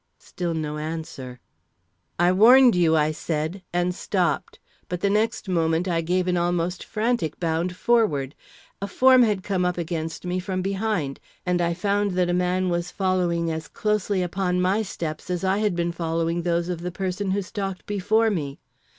Still no answer. "I warned you," I said, and stopped, but the next moment I gave an almost frantic bound forward. A form had come up against me from behind, and I found that a man was following as closely upon my steps as I had been following those of the person who stalked before me.